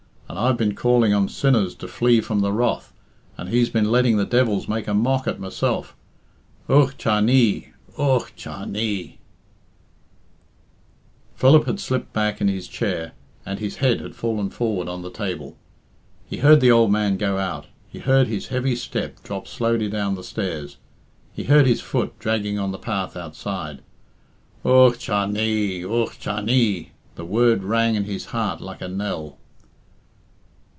And I've been calling on sinners to flee from the wrath, and He's been letting the devils make a mock at myself! Ugh cha nee! Ugh cha nee!" Philip had slipped back in his chair, and his head had fallen forward' on the table. He heard the old man go out; he heard his heavy step drop slowly down the stairs; he heard his foot dragging on the path outside. "Ugh cha nee! Ugh cha nee!" The word rang in his heart like a knell.